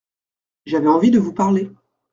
J’avais envie de vous parler.